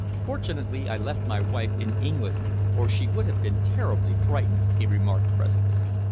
"Fortunately, I left my wife in England, or she would have been terribly frightened," he remarked presently.